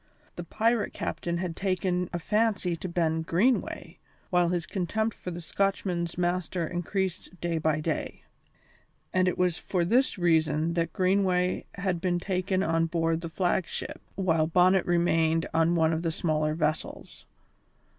The pirate captain had taken a fancy to Ben Greenway, while his contempt for the Scotchman's master increased day by day; and it was for this reason that Greenway had been taken on board the flag ship, while Bonnet remained on one of the smaller vessels.